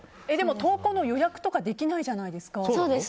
投稿の予約とかできないじゃないですか。